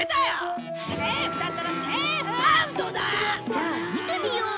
じゃあ見てみよう。